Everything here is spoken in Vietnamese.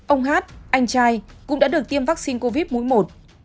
ông h anh trai cũng đã được tiêm vaccine covid một